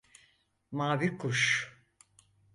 Mavi kuş…